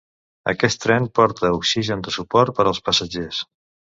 Aquest tren porta oxigen de suport per als passatgers.